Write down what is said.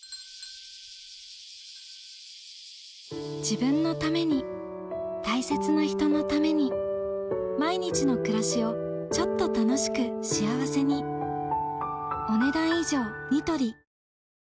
自分のために大切な人のために毎日の暮らしをちょっと楽しく幸せにヘイ！